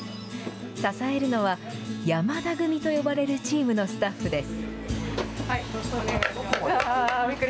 支えるのは、山田組と呼ばれるチームのスタッフです。